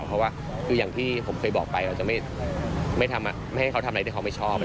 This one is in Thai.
เพราะว่าคืออย่างที่ผมเคยบอกไปเราจะไม่ทำให้เขาทำอะไรที่เขาไม่ชอบ